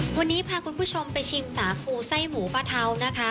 วันนี้พาคุณผู้ชมไปชิมสาคูไส้หมูปะเทานะคะ